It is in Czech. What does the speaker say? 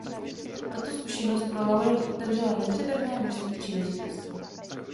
Tato zkušenost pro Lauren otevřela nepřeberné množství příležitostí.